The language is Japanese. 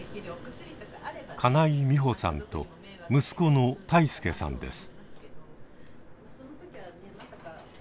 金井美穂さんと息子の泰亮さんです。